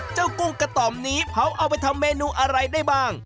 กุ้งกระต่อมนี้เขาเอาไปทำเมนูอะไรได้บ้าง